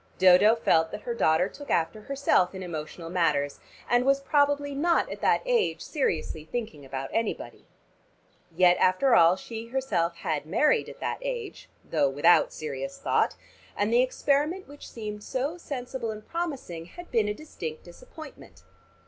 Dodo felt that her daughter took after herself in emotional matters and was probably not at that age seriously thinking about anybody. Yet after all she herself had married at that age (though without serious thought) and the experiment which seemed so sensible and promising had been a distinct disappointment.